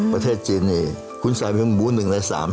ประเทศจีนเนี่ยคุณสาวมีหมูหนึ่งในสาม